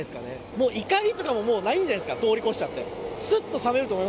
もう怒りとかももうないんじゃないですか、通り越しちゃって。